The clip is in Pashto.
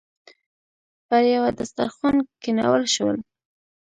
پر یوه دسترخوان کېنول شول.